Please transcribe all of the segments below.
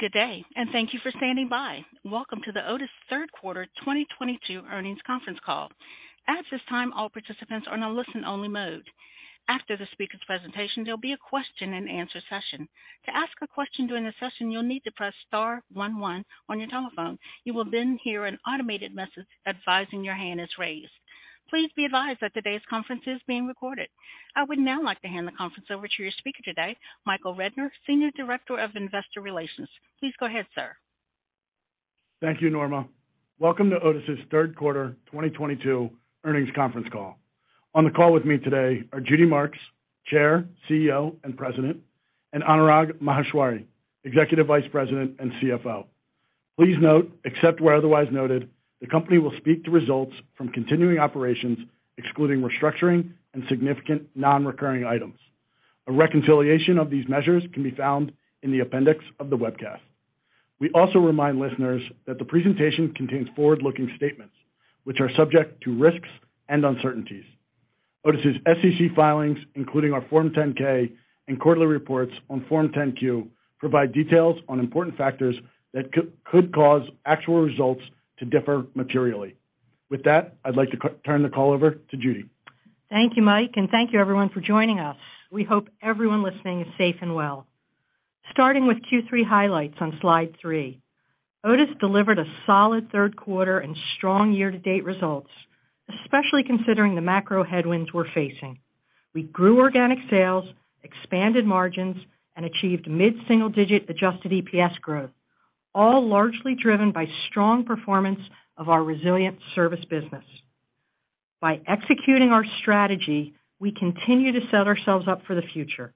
Good day, and thank you for standing by. Welcome to the Otis third quarter 2022 earnings conference call. At this time, all participants are in a listen-only mode. After the speaker's presentation, there'll be a question-and-answer session. To ask a question during the session, you'll need to press star one one on your telephone. You will then hear an automated message advising your hand is raised. Please be advised that today's conference is being recorded. I would now like to hand the conference over to your speaker today, Michael Rednor, Senior Director of Investor Relations. Please go ahead, sir. Thank you, Norma. Welcome to Otis' third quarter 2022 earnings conference call. On the call with me today are Judy Marks, Chair, CEO, and President, and Anurag Maheshwari, Executive Vice President and CFO. Please note, except where otherwise noted, the company will speak to results from continuing operations, excluding restructuring and significant non-recurring items. A reconciliation of these measures can be found in the appendix of the webcast. We also remind listeners that` the presentation contains forward-looking statements which are subject to risks and uncertainties. Otis' SEC filings, including our Form 10-K and quarterly reports on Form 10-Q, provide details on important factors that could cause actual results to differ materially. With that, I'd like to turn the call over to Judy. Thank you, Mike, and thank you everyone for joining us. We hope everyone listening is safe and well. Starting with Q3 highlights on slide three. Otis delivered a solid third quarter and strong year-to-date results, especially considering the macro headwinds we're facing. We grew organic sales, expanded margins, and achieved mid-single-digit adjusted EPS growth, all largely driven by strong performance of our resilient service business. By executing our strategy, we continue to set ourselves up for the future.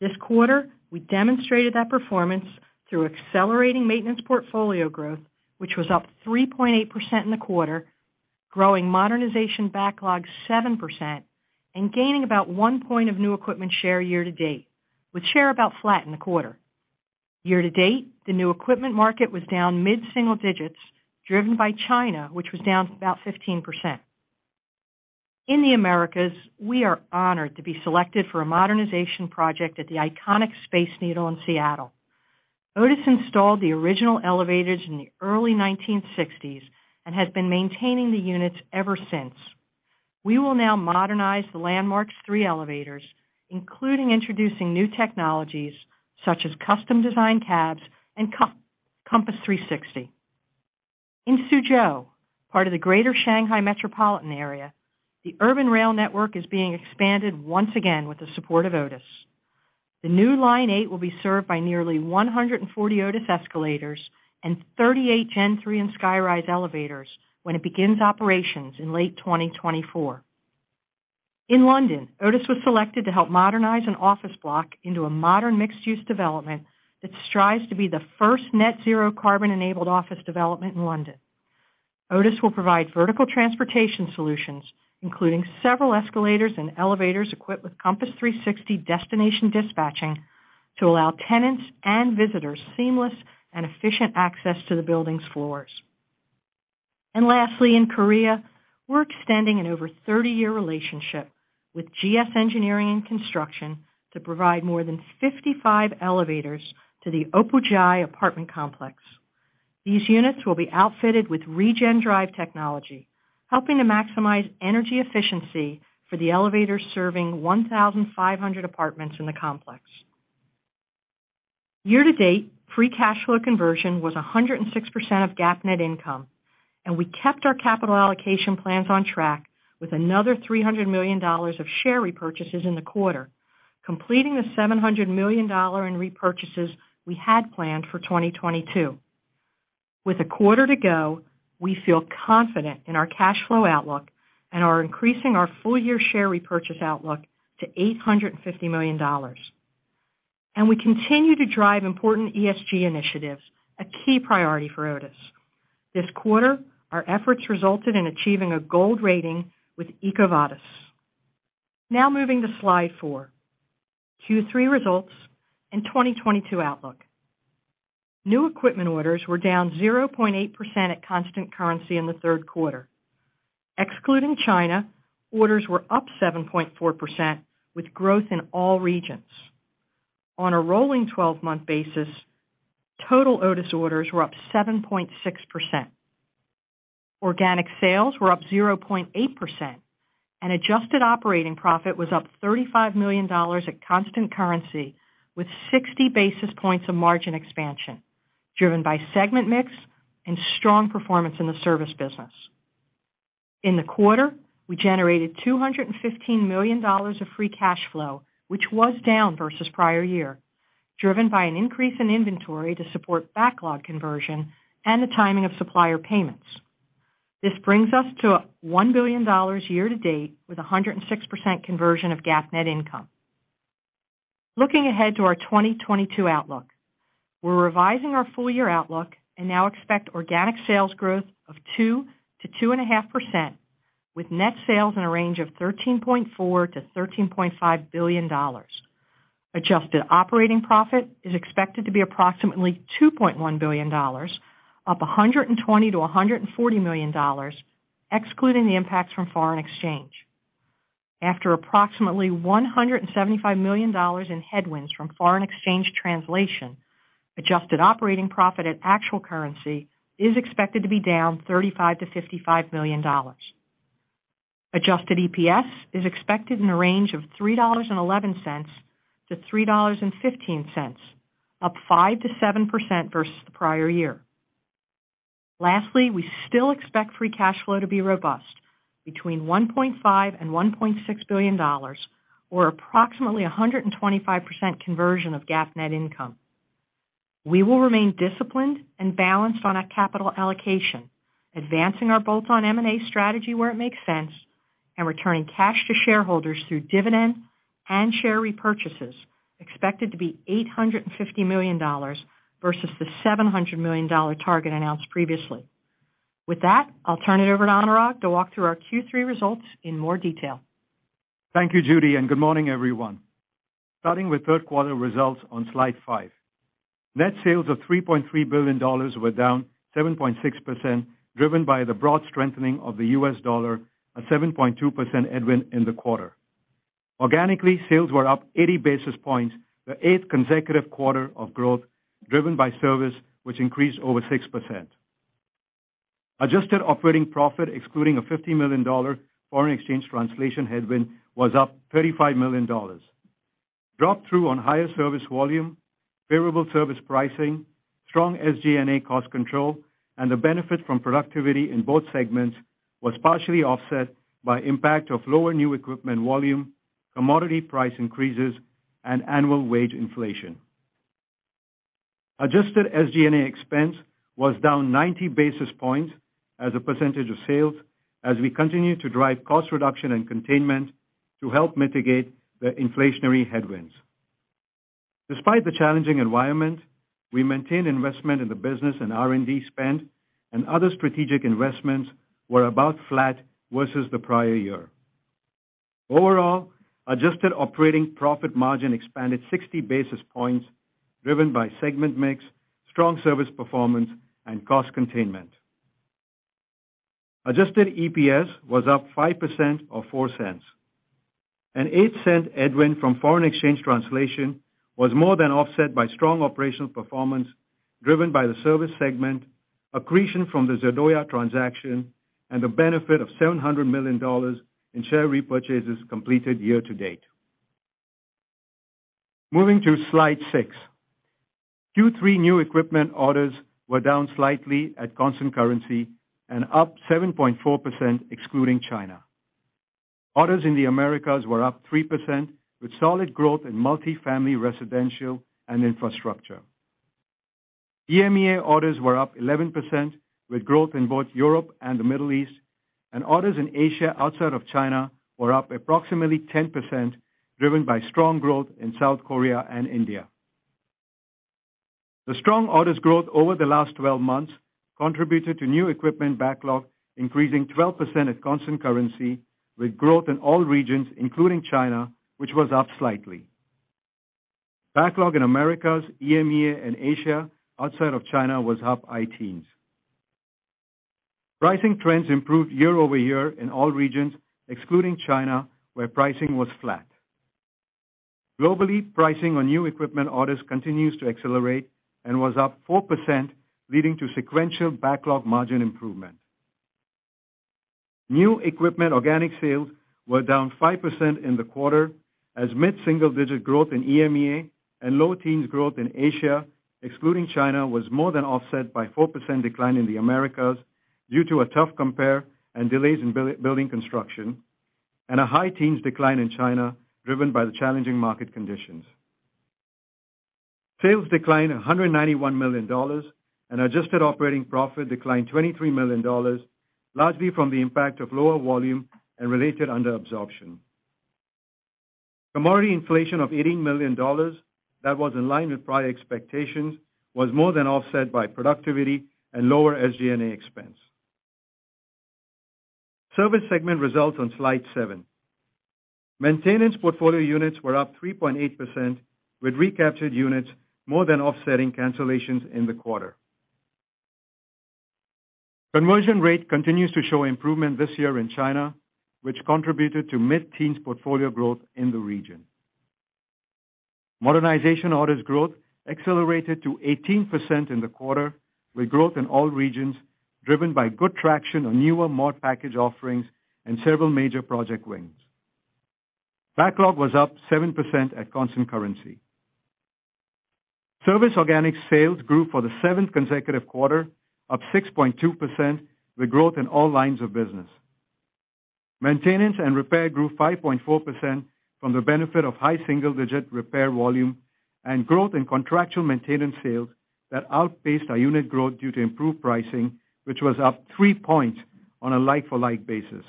This quarter, we demonstrated that performance through accelerating maintenance portfolio growth, which was up 3.8% in the quarter, growing modernization backlog 7% and gaining about 1 point of new equipment share year to date, with share about flat in the quarter. Year to date, the new equipment market was down mid-single digits, driven by China, which was down about 15%. In the Americas, we are honored to be selected for a modernization project at the iconic Space Needle in Seattle. Otis installed the original elevators in the early 1960s and has been maintaining the units ever since. We will now modernize the landmark's three elevators, including introducing new technologies such as custom-designed cabs and Compass 360. In Suzhou, part of the greater Shanghai metropolitan area, the urban rail network is being expanded once again with the support of Otis. The new Line 8 will be served by nearly 140 Otis escalators and 38 Gen3 and SkyRise elevators when it begins operations in late 2024. In London, Otis was selected to help modernize an office block into a modern mixed-use development that strives to be the first net zero carbon-enabled office development in London. Otis will provide vertical transportation solutions, including several escalators and elevators equipped with Compass 360 destination dispatching to allow tenants and visitors seamless and efficient access to the building's floors. Lastly, in Korea, we're extending an over 30-year relationship with GS Engineering & Construction to provide more than 55 elevators to the Opujai apartment complex. These units will be outfitted with ReGen drive technology, helping to maximize energy efficiency for the elevators serving 1,500 apartments in the complex. Year to date, free cash flow conversion was 106% of GAAP net income, and we kept our capital allocation plans on track with another $300 million of share repurchases in the quarter, completing the $700 million in repurchases we had planned for 2022. With a quarter to go, we feel confident in our cash flow outlook and are increasing our full-year share repurchase outlook to $850 million. We continue to drive important ESG initiatives, a key priority for Otis. This quarter, our efforts resulted in achieving a gold rating with EcoVadis. Now moving to slide four, Q3 results and 2022 outlook. New equipment orders were down 0.8% at constant currency in the third quarter. Excluding China, orders were up 7.4%, with growth in all regions. On a rolling twelve-month basis, total Otis orders were up 7.6%. Organic sales were up 0.8% and adjusted operating profit was up $35 million at constant currency with 60 basis points of margin expansion driven by segment mix and strong performance in the service business. In the quarter, we generated $215 million of free cash flow, which was down versus prior year, driven by an increase in inventory to support backlog conversion and the timing of supplier payments. This brings us to $1 billion year to date with 106% conversion of GAAP net income. Looking ahead to our 2022 outlook. We're revising our full-year outlook and now expect organic sales growth of 2%-2.5% with net sales in a range of $13.4 billion-$13.5 billion. Adjusted operating profit is expected to be approximately $2.1 billion, up $120 million-$140 million, excluding the impacts from foreign exchange. After approximately $175 million in headwinds from foreign exchange translation, adjusted operating profit at actual currency is expected to be down $35 million-$55 million. Adjusted EPS is expected in a range of $3.11-$3.15, up 5%-7% versus the prior year. Lastly, we still expect free cash flow to be robust, between $1.5 billion and $1.6 billion, or approximately 125% conversion of GAAP net income. We will remain disciplined and balanced on our capital allocation, advancing our bolt-on M&A strategy where it makes sense, and returning cash to shareholders through dividend and share repurchases expected to be $850 million versus the $700 million target announced previously. With that, I'll turn it over to Anurag to walk through our Q3 results in more detail. Thank you, Judy, and good morning, everyone. Starting with third quarter results on slide five. Net sales of $3.3 billion were down 7.6%, driven by the broad strengthening of the U.S. dollar, a 7.2% headwind in the quarter. Organically, sales were up 80 basis points, the eighth consecutive quarter of growth driven by service, which increased over 6%. Adjusted operating profit, excluding a $50 million foreign exchange translation headwind, was up $35 million. Drop through on higher service volume, favorable service pricing, strong SG&A cost control, and the benefit from productivity in both segments was partially offset by impact of lower new equipment volume, commodity price increases, and annual wage inflation. Adjusted SG&A expense was down 90 basis points as a percentage of sales as we continue to drive cost reduction and containment to help mitigate the inflationary headwinds. Despite the challenging environment, we maintained investment in the business and R&D spend, and other strategic investments were about flat versus the prior year. Overall, adjusted operating profit margin expanded 60 basis points driven by segment mix, strong service performance, and cost containment. Adjusted EPS was up 5%, or $0.04. An $0.08 headwind from foreign exchange translation was more than offset by strong operational performance driven by the service segment, accretion from the Zardoya transaction, and the benefit of $700 million in share repurchases completed year to date. Moving to slide six. Q3 new equipment orders were down slightly at constant currency and up 7.4% excluding China. Orders in the Americas were up 3% with solid growth in multifamily, residential, and infrastructure. EMEA orders were up 11% with growth in both Europe and the Middle East, and orders in Asia outside of China were up approximately 10%, driven by strong growth in South Korea and India. The strong orders growth over the last 12 months contributed to new equipment backlog increasing 12% at constant currency with growth in all regions, including China, which was up slightly. Backlog in Americas, EMEA, and Asia, outside of China, was up high teens. Pricing trends improved year-over-year in all regions, excluding China, where pricing was flat. Globally, pricing on new equipment orders continues to accelerate and was up 4%, leading to sequential backlog margin improvement. New equipment organic sales were down 5% in the quarter as mid-single digit growth in EMEA and low teens growth in Asia, excluding China, was more than offset by 4% decline in the Americas due to a tough compare and delays in building construction and a high teens decline in China driven by the challenging market conditions. Sales declined $191 million and adjusted operating profit declined $23 million, largely from the impact of lower volume and related under absorption. Commodity inflation of $80 million that was in line with prior expectations was more than offset by productivity and lower SG&A expense. Service segment results on slide seven. Maintenance portfolio units were up 3.8%, with recaptured units more than offsetting cancellations in the quarter. Conversion rate continues to show improvement this year in China, which contributed to mid-teens portfolio growth in the region. Modernization orders growth accelerated to 18% in the quarter, with growth in all regions driven by good traction on newer mod package offerings and several major project wins. Backlog was up 7% at constant currency. Service organic sales grew for the seventh consecutive quarter, up 6.2%, with growth in all lines of business. Maintenance and repair grew 5.4% from the benefit of high single-digit repair volume and growth in contractual maintenance sales that outpaced our unit growth due to improved pricing, which was up three points on a like-for-like basis.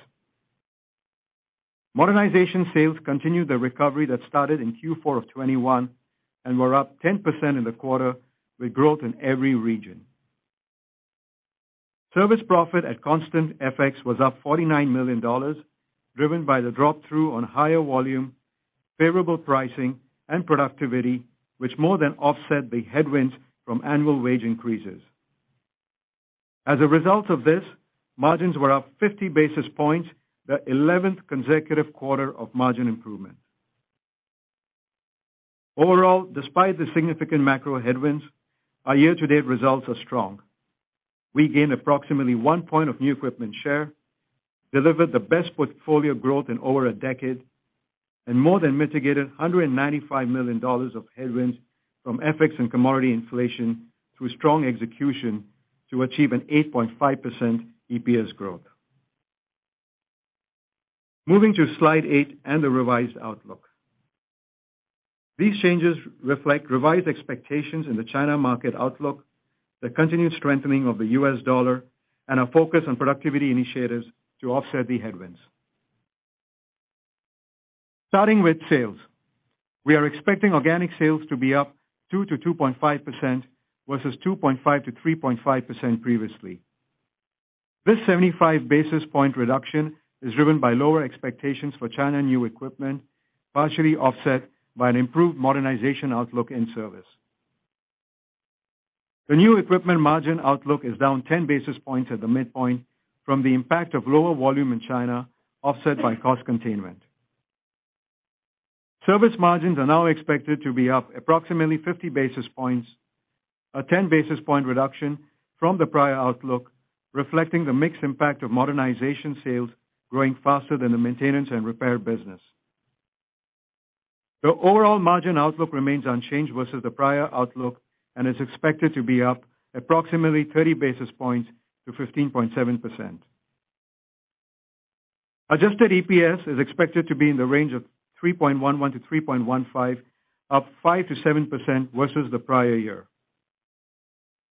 Modernization sales continued the recovery that started in Q4 of 2021 and were up 10% in the quarter with growth in every region. Service profit at constant FX was up $49 million, driven by the drop-through on higher volume, favorable pricing, and productivity, which more than offset the headwinds from annual wage increases. As a result of this, margins were up 50 basis points, the 11th consecutive quarter of margin improvement. Overall, despite the significant macro headwinds, our year-to-date results are strong. We gained approximately one point of new equipment share, delivered the best portfolio growth in over a decade, and more than mitigated $195 million of headwinds from FX and commodity inflation through strong execution to achieve an 8.5% EPS growth. Moving to slide eight and the revised outlook. These changes reflect revised expectations in the China market outlook, the continued strengthening of the US dollar, and a focus on productivity initiatives to offset the headwinds. Starting with sales. We are expecting organic sales to be up 2%-2.5% versus 2.5%-3.5% previously. This 75 basis point reduction is driven by lower expectations for China new equipment, partially offset by an improved modernization outlook in service. The new equipment margin outlook is down 10 basis points at the midpoint from the impact of lower volume in China, offset by cost containment. Service margins are now expected to be up approximately 50 basis points, a 10 basis point reduction from the prior outlook, reflecting the mixed impact of modernization sales growing faster than the maintenance and repair business. The overall margin outlook remains unchanged versus the prior outlook and is expected to be up approximately 30 basis points to 15.7%. Adjusted EPS is expected to be in the range of 3.11-3.15, up 5%-7% versus the prior year.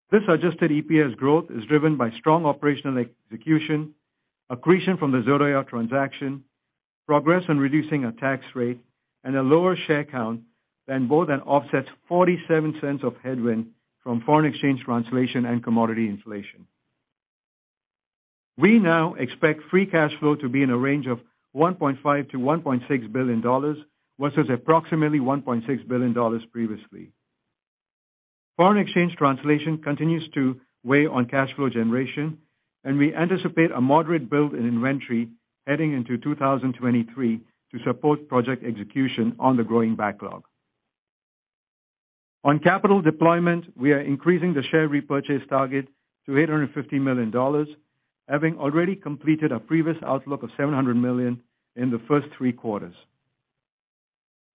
This adjusted EPS growth is driven by strong operational execution, accretion from the Zardoya transaction, progress in reducing our tax rate, and a lower share count that offsets $0.47 of headwind from foreign exchange translation and commodity inflation. We now expect free cash flow to be in a range of $1.5 billion-$1.6 billion, versus approximately $1.6 billion previously. Foreign exchange translation continues to weigh on cash flow generation, and we anticipate a moderate build in inventory heading into 2023 to support project execution on the growing backlog. On capital deployment, we are increasing the share repurchase target to $850 million, having already completed a previous outlook of $700 million in the first three quarters.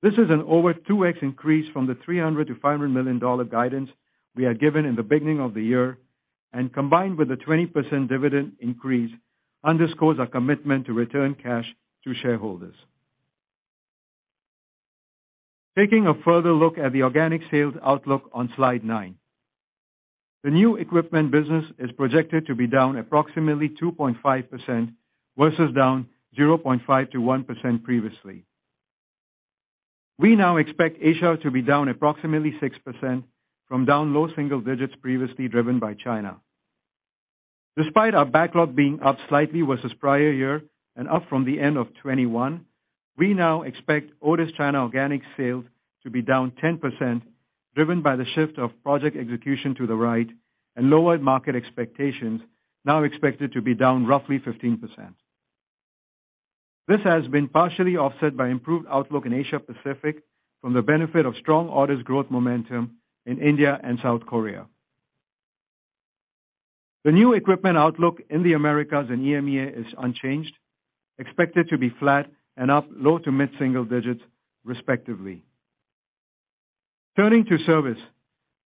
This is an over 2x increase from the $300 million-$500 million guidance we had given in the beginning of the year, and combined with the 20% dividend increase, underscores our commitment to return cash to shareholders. Taking a further look at the organic sales outlook on slide nine. The new equipment business is projected to be down approximately 2.5% versus down 0.5%-1% previously. We now expect Asia to be down approximately 6% from down low single digits previously driven by China. Despite our backlog being up slightly versus prior year and up from the end of 2021, we now expect Otis China organic sales to be down 10%, driven by the shift of project execution to the right and lower market expectations now expected to be down roughly 15%. This has been partially offset by improved outlook in Asia-Pacific from the benefit of strong orders growth momentum in India and South Korea. The new equipment outlook in the Americas and EMEA is unchanged, expected to be flat and up low- to mid-single digits respectively. Turning to service.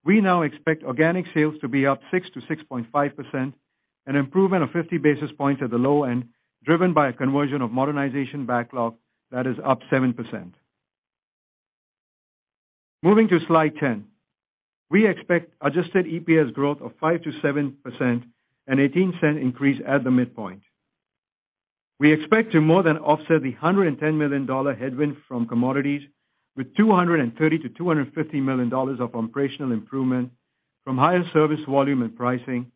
We now expect organic sales to be up 6%-6.5%, an improvement of 50 basis points at the low end, driven by a conversion of modernization backlog that is up 7%. Moving to slide 10. We expect adjusted EPS growth of 5%-7%, a $0.18 increase at the midpoint. We expect to more than offset the $110 million headwind from commodities with $230 million-$250 million of operational improvement from higher service volume and pricing,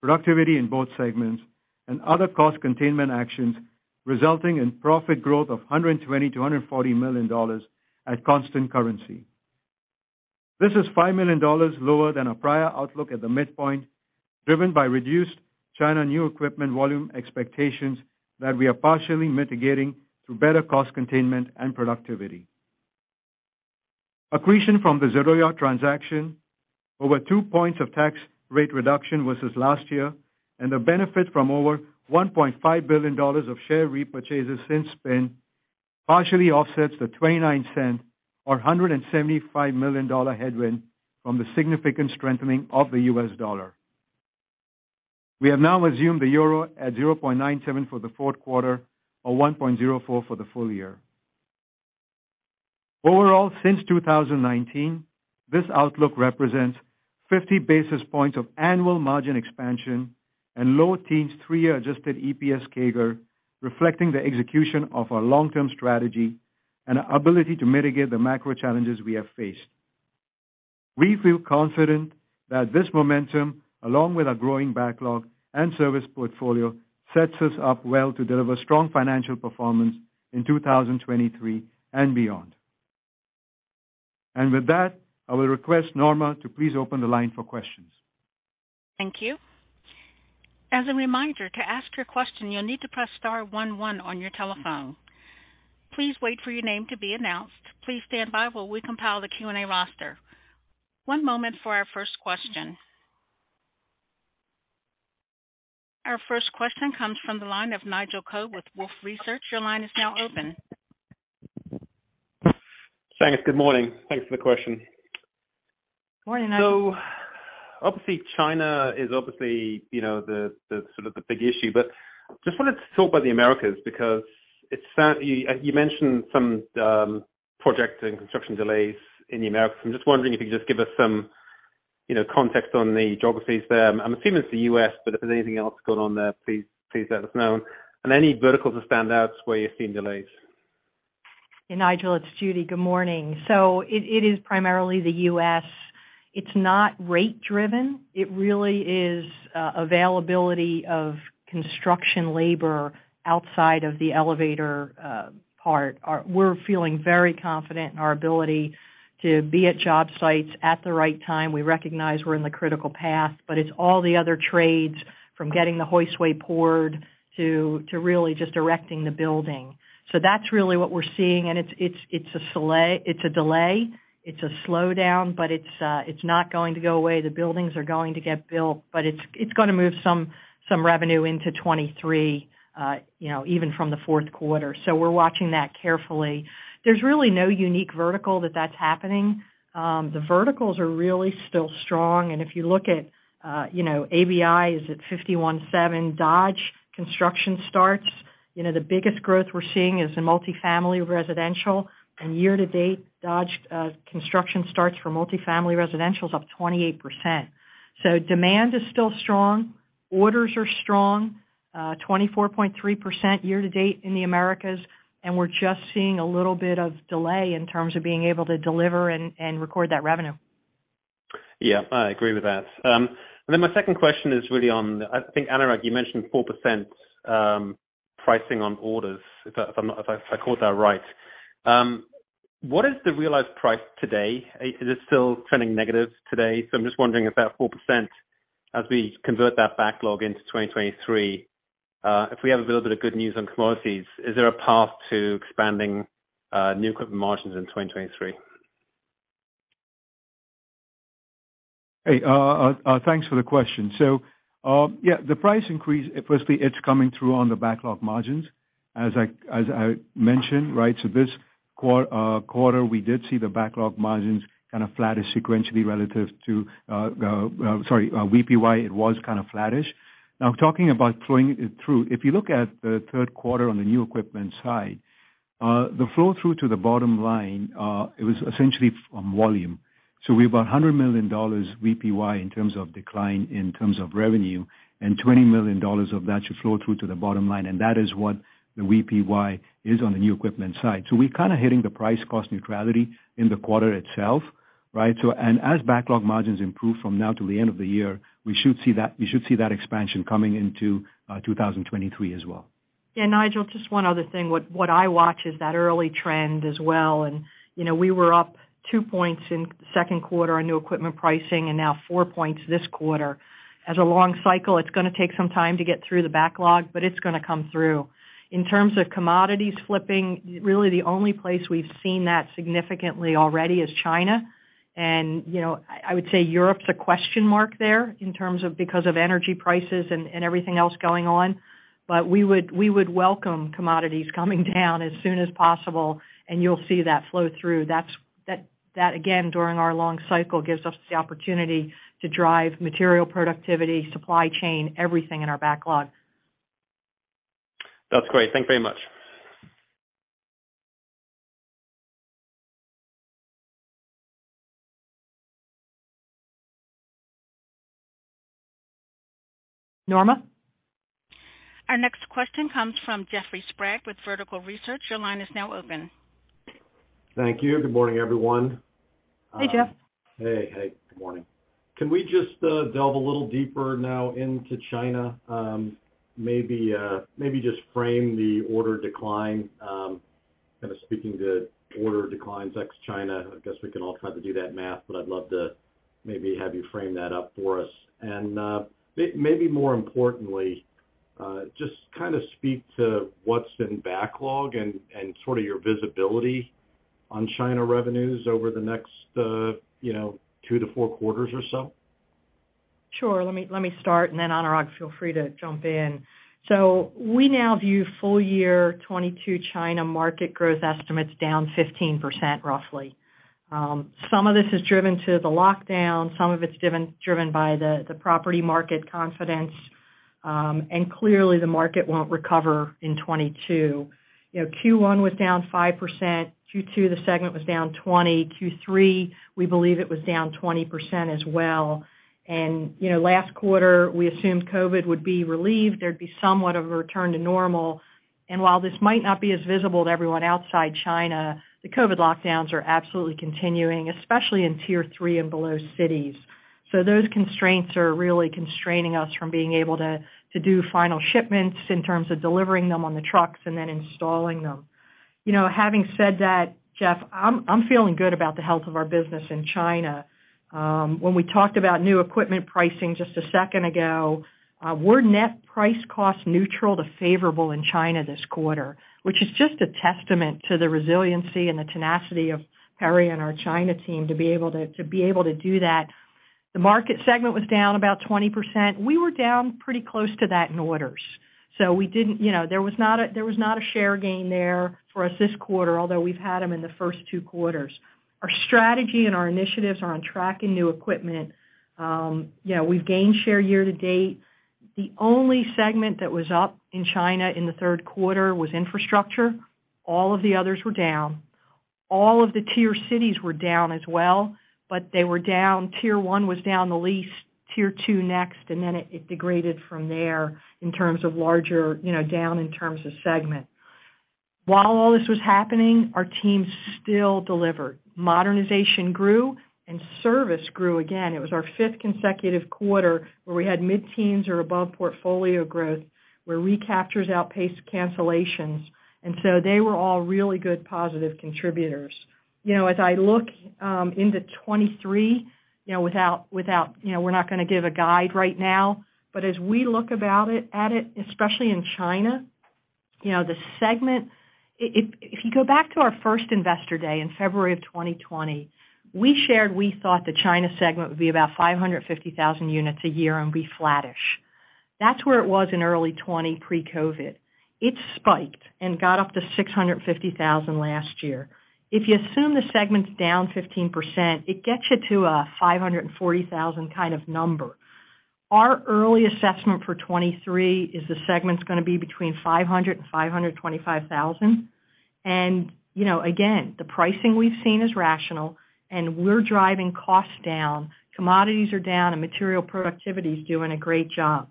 productivity in both segments, and other cost containment actions resulting in profit growth of $120 million-$140 million at constant currency. This is $5 million lower than our prior outlook at the midpoint, driven by reduced China new equipment volume expectations that we are partially mitigating through better cost containment and productivity. Accretion from the Zardoya transaction, over two points of tax rate reduction versus last year, and the benefit from over $1.5 billion of share repurchases since then, partially offsets the $0.29 or $175 million headwind from the significant strengthening of the U.S. dollar. We have now assumed the euro at 0.97 for the fourth quarter, or 1.04 for the full year. Overall, since 2019, this outlook represents 50 basis points of annual margin expansion and low teens three-year adjusted EPS CAGR, reflecting the execution of our long-term strategy and our ability to mitigate the macro challenges we have faced. We feel confident that this momentum, along with our growing backlog and service portfolio, sets us up well to deliver strong financial performance in 2023 and beyond. With that, I will request Norma to please open the line for questions. Thank you. As a reminder, to ask your question, you'll need to press star one one on your telephone. Please wait for your name to be announced. Please stand by while we compile the Q&A roster. One moment for our first question. Our first question comes from the line of Nigel Coe with Wolfe Research. Your line is now open. Thanks. Good morning. Thanks for the question. Morning, Nigel. Obviously, China is the sort of big issue, but just wanted to talk about the Americas because it sounds like you mentioned some projects and construction delays in the Americas. I'm just wondering if you could just give us some, you know, context on the geographies there. I'm assuming it's the U.S., but if there's anything else going on there, please let us know. Any verticals or standouts where you're seeing delays. Yeah, Nigel, it's Judy. Good morning. It is primarily the U.S. It's not rate driven. It really is availability of construction labor outside of the elevator part. We're feeling very confident in our ability to be at job sites at the right time. We recognize we're in the critical path, but it's all the other trades from getting the hoistway poured to really just erecting the building. That's really what we're seeing, and it's a delay. It's a slowdown, but it's not going to go away. The buildings are going to get built, but it's gonna move some revenue into 2023, you know, even from the fourth quarter. We're watching that carefully. There's really no unique vertical that's happening. The verticals are really still strong. If you look at, you know, ABI is at 51.7. Dodge Construction starts. You know, the biggest growth we're seeing is the multifamily residential, and year to date, Dodge construction starts for multifamily residential is up 28%. So demand is still strong. Orders are strong, 24.3% year to date in the Americas, and we're just seeing a little bit of delay in terms of being able to deliver and record that revenue. Yeah, I agree with that. My second question is really on, I think, Anurag, you mentioned 4% pricing on orders, if I caught that right. What is the realized price today? Is it still trending negative today? I'm just wondering if that 4% as we convert that backlog into 2023, if we have a little bit of good news on commodities, is there a path to expanding new equipment margins in 2023? Hey, thanks for the question. Yeah, the price increase, firstly, it's coming through on the backlog margins, as I mentioned, right? This quarter, we did see the backlog margins kind of flattish sequentially relative to VPY, it was kind of flattish. Now, talking about flowing it through, if you look at the third quarter on the new equipment side, the flow through to the bottom line, it was essentially from volume. We have $100 million VPY in terms of decline in revenue, and $20 million of that should flow through to the bottom line, and that is what the VPY is on the new equipment side. We're kind of hitting the price cost neutrality in the quarter itself, right? As backlog margins improve from now till the end of the year, we should see that expansion coming into 2023 as well. Yeah, Nigel, just one other thing. What I watch is that early trend as well. You know, we were up two points in second quarter on new equipment pricing and now four points this quarter. As a long cycle, it's gonna take some time to get through the backlog, but it's gonna come through. In terms of commodities flipping, really the only place we've seen that significantly already is China. You know, I would say Europe's a question mark there in terms of because of energy prices and everything else going on. We would welcome commodities coming down as soon as possible, and you'll see that flow through. That again, during our long cycle, gives us the opportunity to drive material productivity, supply chain, everything in our backlog. That's great. Thank you very much. Norma. Our next question comes from Jeffrey Sprague with Vertical Research. Your line is now open. Thank you. Good morning, everyone. Hey, Jeff. Hey. Hey, good morning. Can we just delve a little deeper now into China, maybe just frame the order decline, kind of speaking to order declines ex-China. I guess we can all try to do that math, but I'd love to maybe have you frame that up for us. Maybe more importantly, just kind of speak to what's in backlog and sort of your visibility on China revenues over the next, you know, two to four quarters or so. Sure. Let me start, and then Anurag, feel free to jump in. So we now view full year 2022 China market growth estimates down 15% roughly. Some of this is driven by the lockdown, some of it's driven by the property market confidence, and clearly the market won't recover in 2022. You know, Q1 was down 5%. Q2, the segment was down 20%. Q3, we believe it was down 20% as well. You know, last quarter, we assumed COVID would be relieved. There'd be somewhat of a return to normal. While this might not be as visible to everyone outside China, the COVID lockdowns are absolutely continuing, especially in tier three and below cities. Those constraints are really constraining us from being able to do final shipments in terms of delivering them on the trucks and then installing them. Having said that, Jeff, I'm feeling good about the health of our business in China. When we talked about new equipment pricing just a second ago, we're net price cost neutral to favorable in China this quarter, which is just a testament to the resiliency and the tenacity of Harry and our China team to be able to do that. The market segment was down about 20%. We were down pretty close to that in orders. We didn't, you know, there was not a share gain there for us this quarter, although we've had them in the first two quarters. Our strategy and our initiatives are on track in new equipment. Yeah, we've gained share year to date. The only segment that was up in China in the third quarter was infrastructure. All of the others were down. All of the tier cities were down as well, but they were down, tier one was down the least, tier two next, and then it degraded from there in terms of larger, you know, down in terms of segment. While all this was happening, our team still delivered. Modernization grew and service grew again. It was our fifth consecutive quarter where we had mid-teens or above portfolio growth, where recaptures outpaced cancellations. They were all really good positive contributors. You know, as I look into 2023, you know, without, you know, we're not gonna give a guide right now, but as we look at it, especially in China, you know, the segment, if you go back to our first investor day in February of 2020, we shared we thought the China segment would be about 550,000 units a year and be flattish. That's where it was in early 2020 pre-COVID. It spiked and got up to 650,000 last year. If you assume the segment's down 15%, it gets you to a 540,000 kind of number. Our early assessment for 2023 is the segment's gonna be between 500,000 and 525,000. You know, again, the pricing we've seen is rational and we're driving costs down. Commodities are down and material productivity is doing a great job.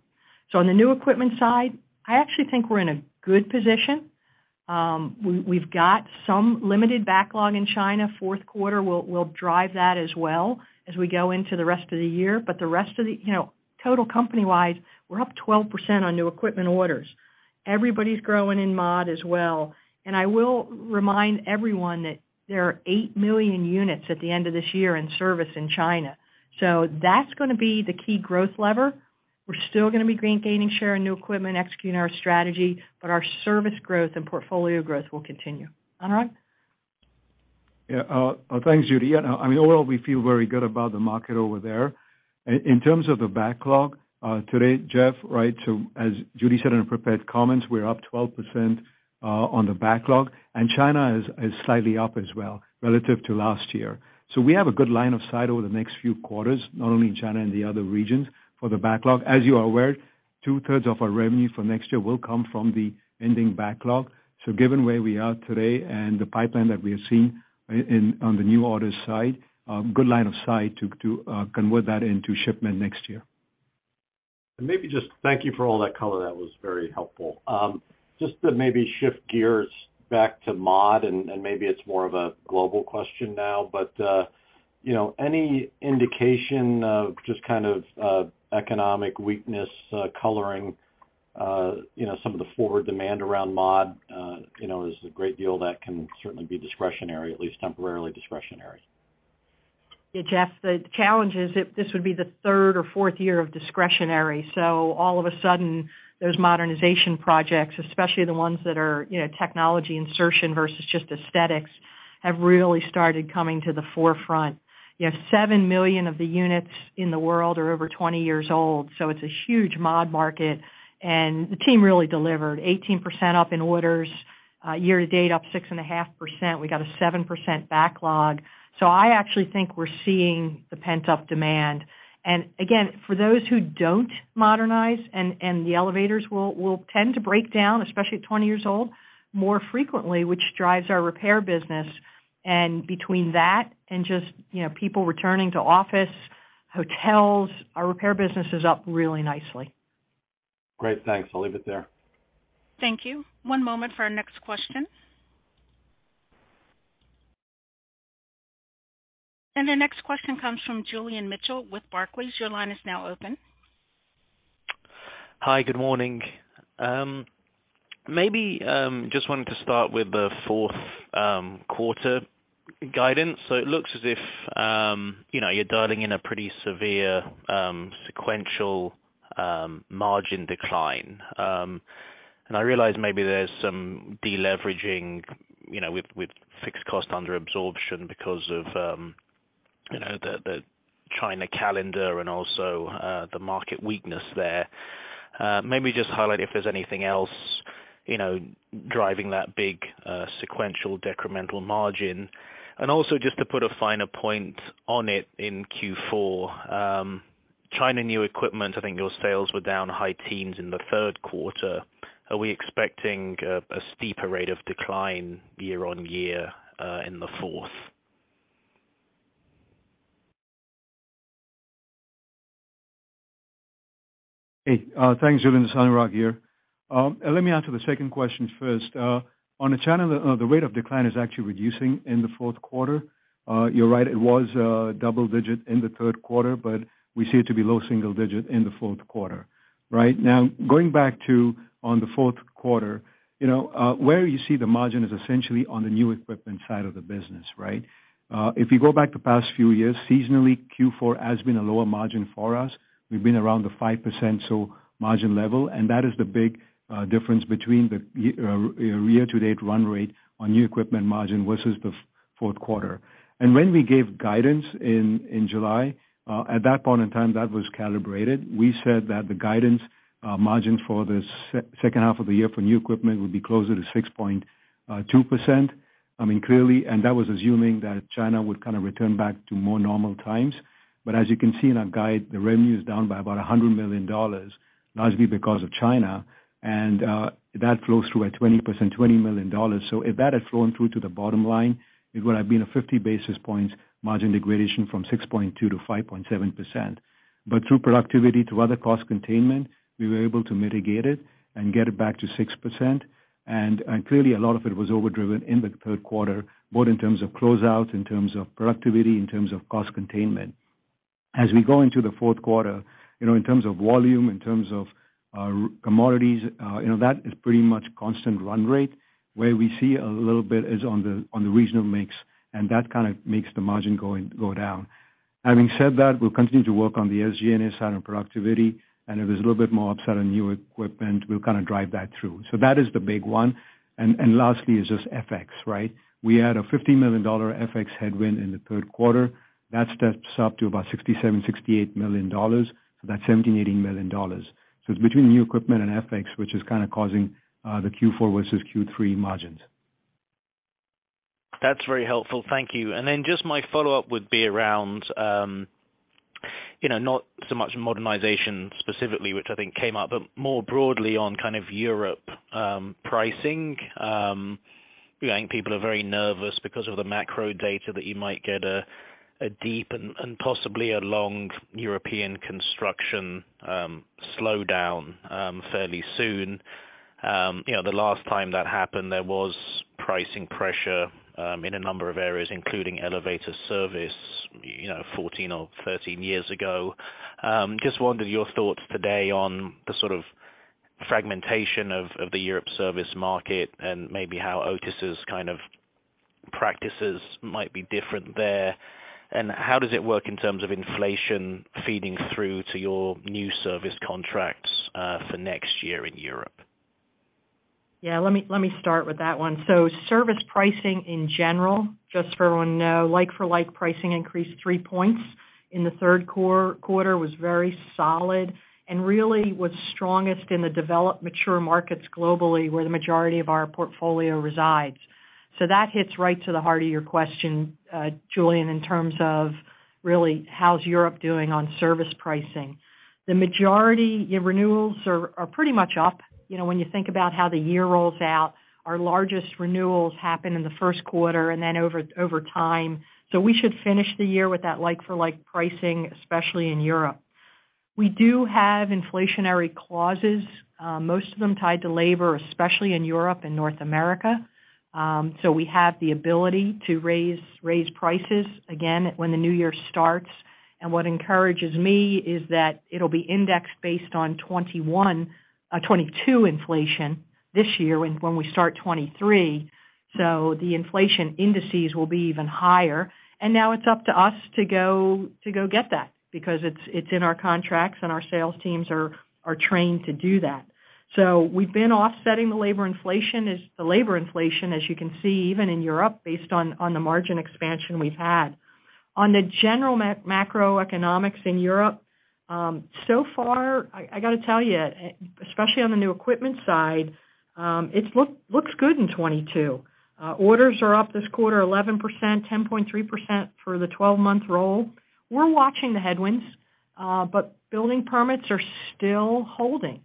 On the new equipment side, I actually think we're in a good position. We've got some limited backlog in China. Fourth quarter will drive that as well as we go into the rest of the year. The rest of the, you know, total company-wide, we're up 12% on new equipment orders. Everybody's growing in mod as well. I will remind everyone that there are 8 million units at the end of this year in service in China. That's gonna be the key growth lever. We're still gonna be gaining share in new equipment, executing our strategy, but our service growth and portfolio growth will continue. Henk? Yeah. Thanks, Judy. I mean, overall, we feel very good about the market over there. In terms of the backlog, today, Jeff, right, so as Judy said in her prepared comments, we're up 12% on the backlog, and China is slightly up as well relative to last year. We have a good line of sight over the next few quarters, not only in China, in the other regions for the backlog. As you are aware, 2/3 of our revenue for next year will come from the ending backlog. Given where we are today and the pipeline that we are seeing on the new orders side, good line of sight to convert that into shipment next year. Maybe just thank you for all that color. That was very helpful. Just to maybe shift gears back to mod and maybe it's more of a global question now, but you know, any indication of just kind of economic weakness coloring you know, some of the forward demand around mod? You know, there's a great deal that can certainly be discretionary, at least temporarily discretionary. Yeah, Jeff, the challenge is if this would be the third or fourth year of discretionary. All of a sudden, those modernization projects, especially the ones that are, you know, technology insertion versus just aesthetics, have really started coming to the forefront. You have 7 million of the units in the world are over 20 years old, so it's a huge mod market, and the team really delivered 18% up in orders. Year to date, up 6.5%. We got a 7% backlog. I actually think we're seeing the pent-up demand. Again, for those who don't modernize and the elevators will tend to break down, especially at 20 years old, more frequently, which drives our repair business. Between that and just, you know, people returning to office, hotels, our repair business is up really nicely. Great. Thanks. I'll leave it there. Thank you. One moment for our next question. The next question comes from Julian Mitchell with Barclays. Your line is now open. Hi. Good morning. Maybe just wanted to start with the fourth quarter guidance. It looks as if, you know, you're dialing in a pretty severe sequential margin decline. I realize maybe there's some deleveraging, you know, with fixed cost under absorption because of, you know, the China calendar and also the market weakness there. Maybe just highlight if there's anything else, you know, driving that big sequential decremental margin. Also just to put a finer point on it in Q4, China new equipment, I think your sales were down high teens% in the third quarter. Are we expecting a steeper rate of decline year-on-year in the fourth? Hey, thanks, Julian. Anurag Maheshwari here. Let me answer the second question first. On the China, the rate of decline is actually reducing in the fourth quarter. You're right, it was double-digit in the third quarter, but we see it to be low single-digit in the fourth quarter. Right now, going back to on the fourth quarter, you know, where you see the margin is essentially on the new equipment side of the business, right? If you go back the past few years, seasonally, Q4 has been a lower margin for us. We've been around the 5%, so margin level, and that is the big difference between the year-to-date run rate on new equipment margin versus the fourth quarter. When we gave guidance in July, at that point in time, that was calibrated. We said that the guidance margin for the second half of the year for new equipment would be closer to 6.2%. I mean, clearly, that was assuming that China would kind of return back to more normal times. As you can see in our guide, the revenue is down by about $100 million, largely because of China. That flows through at 20%, $20 million. If that had flown through to the bottom line, it would have been a 50 basis points margin degradation from 6.2% to 5.7%. Through productivity, through other cost containment, we were able to mitigate it and get it back to 6%. Clearly a lot of it was overdriven in the third quarter, both in terms of closeout, in terms of productivity, in terms of cost containment. As we go into the fourth quarter, in terms of volume, in terms of commodities, that is pretty much constant run rate. Where we see a little bit is on the regional mix, and that kind of makes the margin go down. Having said that, we'll continue to work on the SG&A side and productivity, and if there's a little bit more upside on new equipment, we'll kind of drive that through. That is the big one. Lastly is just FX, right? We had a $50 million FX headwind in the third quarter. That steps up to about $67 million-$68 million. That's $17 million-$18 million. It's between new equipment and FX, which is kind of causing the Q4 versus Q3 margins. That's very helpful. Thank you. Just my follow-up would be around, you know, not so much modernization specifically, which I think came up, but more broadly on kind of Europe pricing. You know, I think people are very nervous because of the macro data that you might get a deep and possibly a long European construction slowdown fairly soon. You know, the last time that happened, there was pricing pressure in a number of areas, including elevator service, you know, 14 or 13 years ago. Just wondered your thoughts today on the sort of fragmentation of the Europe service market and maybe how Otis' kind of practices might be different there. How does it work in terms of inflation feeding through to your new service contracts for next year in Europe? Yeah, let me start with that one. Service pricing in general, just for everyone to know, like-for-like pricing increased three points in the third quarter, was very solid, and really was strongest in the developed mature markets globally, where the majority of our portfolio resides. That hits right to the heart of your question, Julian, in terms of really how's Europe doing on service pricing. The majority, yeah, renewals are pretty much up. You know, when you think about how the year rolls out, our largest renewals happen in the first quarter and then over time. We should finish the year with that like-for-like pricing, especially in Europe. We do have inflationary clauses, most of them tied to labor, especially in Europe and North America. We have the ability to raise prices again when the new year starts. What encourages me is that it'll be indexed based on 2021, 2022 inflation this year when we start 2023. The inflation indices will be even higher. Now it's up to us to go get that because it's in our contracts and our sales teams are trained to do that. We've been offsetting the labor inflation, as you can see, even in Europe, based on the margin expansion we've had. On the general macroeconomics in Europe, so far, I gotta tell you, especially on the new equipment side, it looks good in 2022. Orders are up this quarter 11%, 10.3% for the 12-month roll. We're watching the headwinds, but building permits are still holding.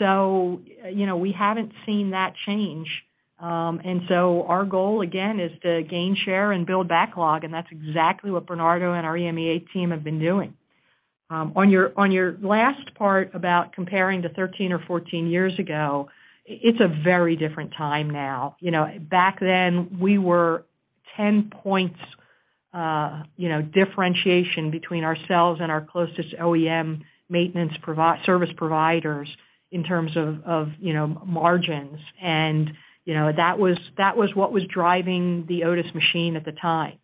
You know, we haven't seen that change. Our goal again is to gain share and build backlog, and that's exactly what Bernardo and our EMEA team have been doing. On your last part about comparing to 13 or 14 years ago, it's a very different time now. You know, back then we were 10 points differentiation between ourselves and our closest OEM maintenance service providers in terms of margins. You know, that was what was driving the Otis machine at the time.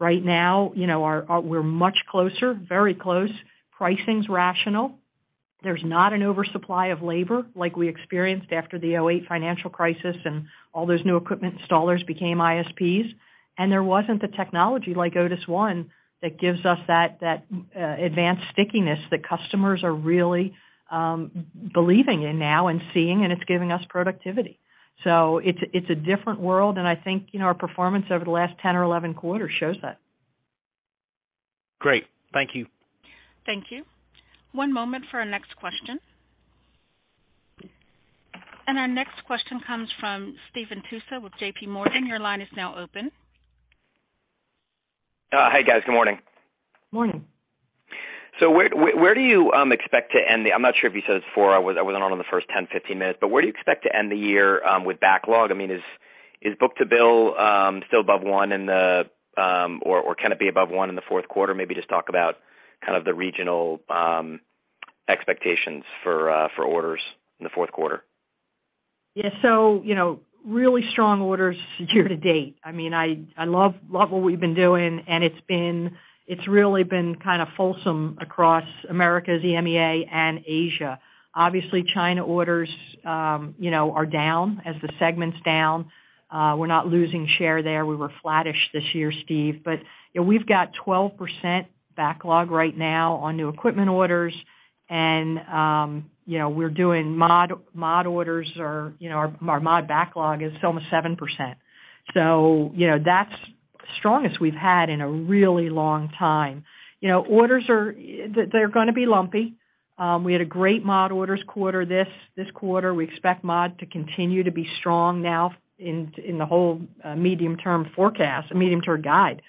Right now, you know, we're much closer, very close. Pricing's rational. There's not an oversupply of labor like we experienced after the 2008 financial crisis and all those new equipment installers became ISPs. There wasn't the technology like Otis ONE that gives us that, advanced stickiness that customers are really, believing in now and seeing, and it's giving us productivity. It's a different world, and I think, you know, our performance over the last 10 or 11 quarters shows that. Great. Thank you. Thank you. One moment for our next question. Our next question comes from Stephen Tusa with JPMorgan. Your line is now open. Hi, guys. Good morning. Morning. I'm not sure if you said it before. I wasn't on in the first 10, 15 minutes, but where do you expect to end the year with backlog? I mean, is book-to-bill still above one or can it be above one in the fourth quarter? Maybe just talk about kind of the regional expectations for orders in the fourth quarter. Yeah. You know, really strong orders year to date. I mean, I love what we've been doing, and it's really been kind of fulsome across Americas, EMEA, and Asia. Obviously, China orders are down as the segment's down. We're not losing share there. We were flattish this year, Steve. You know, we've got 12% backlog right now on new equipment orders and, you know, we're doing mod orders or our mod backlog is almost 7%. That's the strongest we've had in a really long time. You know, orders are gonna be lumpy. We had a great mod orders quarter this quarter. We expect mod to continue to be strong now in the whole medium-term forecast, medium-term guide.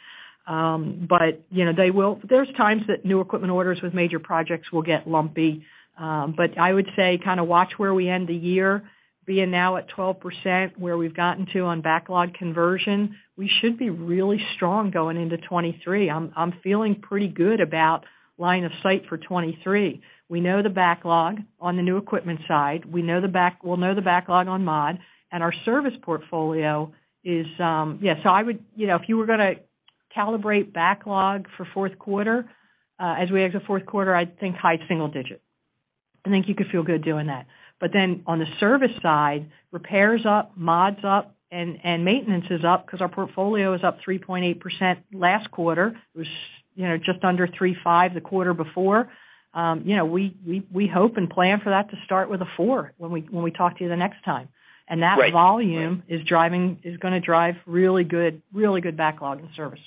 You know, they will get lumpy. There's times that new equipment orders with major projects will get lumpy. I would say kind of watch where we end the year. Being now at 12%, where we've gotten to on backlog conversion, we should be really strong going into 2023. I'm feeling pretty good about line of sight for 2023. We know the backlog on the new equipment side. We'll know the backlog on mod, and our service portfolio is. You know, if you were gonna calibrate backlog for fourth quarter, as we enter fourth quarter, I'd think high single digit. I think you could feel good doing that. On the service side, repair's up, mod's up, and maintenance is up because our portfolio is up 3.8% last quarter. It was, you know, just under 3.5 the quarter before. You know, we hope and plan for that to start with a four when we talk to you the next time. Right. That volume is gonna drive really good backlog in service.